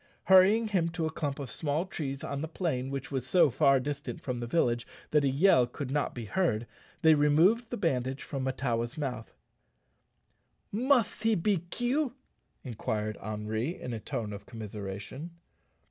Hurrying him to a clump of small trees on the plain which was so far distant from the village that a yell could not be heard, they removed the bandage from Mahtawa's mouth. "Must he be kill?" inquired Henri, in a tone of commiseration.